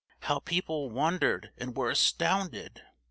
How people wondered and were astounded!